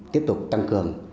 tiếp tục tăng cường